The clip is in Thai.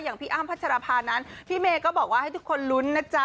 พี่อ้ำพัชรภานั้นพี่เมย์ก็บอกว่าให้ทุกคนลุ้นนะจ๊ะ